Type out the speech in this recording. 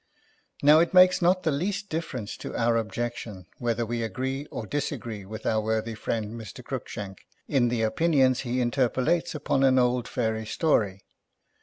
Now, it makes not the least difference to our objection whether we agree or disagree with our worthy friend, Mr. Cruikshank, in the opinions he interpolates upon an old fairy story.